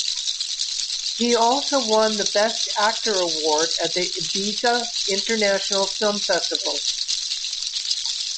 He also won the Best Actor Award at the Ibiza International Film Festival.